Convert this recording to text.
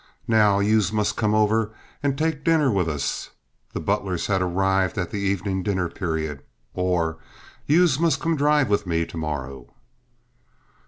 "Now youse must come over and take dinner with us"—the Butlers had arrived at the evening dinner period—or "Youse must come drive with me to morrow."